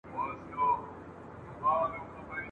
انګرېزان په مخالفت پوهيږي.